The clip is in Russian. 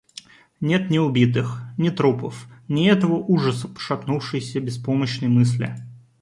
Нет ни убитых, ни трупов, ни этого ужаса пошатнувшейся беспомощной мысли.